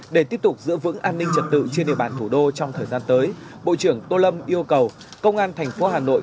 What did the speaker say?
để tiếp tục giữ vững an ninh trật tự trên địa bàn thủ đô trong thời gian tới bộ trưởng tô lâm yêu cầu công an thành phố hà nội